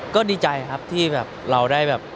ก็ดีใจครับที่แบบเราได้แบบ